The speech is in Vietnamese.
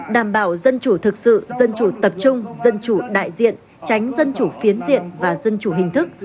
đảm bảo dân chủ thực sự dân chủ tập trung dân chủ đại diện tránh dân chủ phiến diện và dân chủ hình thức